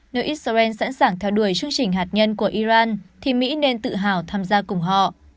nếu israel sẵn sàng theo đuổi chương trình hạt nhân của iran thì mỹ nên tự hào tham gia cùng họ